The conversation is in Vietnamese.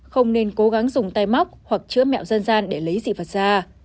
không nên cố gắng dùng tay móc hoặc chữa mẹo dân gian để lấy dị vật da